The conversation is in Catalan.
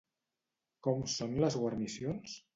Com són les guarnicions?